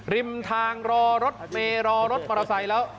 ริมทางรอรถเมย์รอรถมอเตอร์ไซค์แล้ว